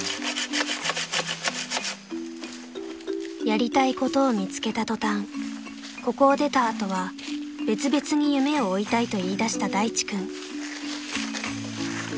［やりたいことを見つけた途端ここを出た後は別々に夢を追いたいと言いだした大地君］